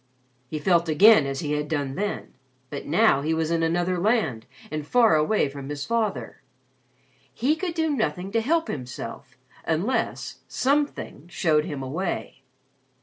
He felt again as he had done then but now he was in another land and far away from his father. He could do nothing to help himself unless Something showed him a way.